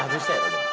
でも。